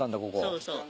そうそう。